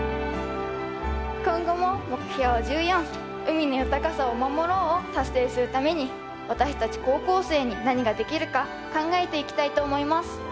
今後も目標１４「海の豊かさを守ろう」を達成するために私たち高校生に何ができるか考えていきたいと思います。